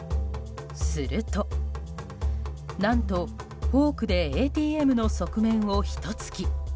すると何とフォークでＡＴＭの側面をひと突き。